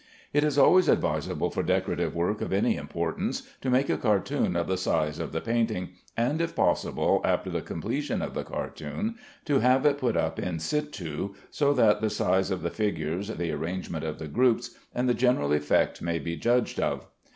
It is always advisable for decorative work of any importance to make a cartoon of the size of the painting, and, if possible, after the completion of the cartoon, to have it put up in situ, so that the size of the figures, the arrangement of the groups, and the general effect may be judged of.